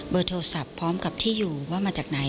โทรศัพท์พร้อมกับที่อยู่ว่ามาจากไหน